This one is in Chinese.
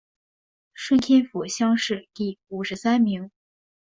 顺天府乡试第五十三名。